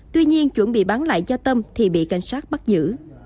tuy nhiên chuẩn bị bán lại cho tâm thì bị cảnh sát bắt giữ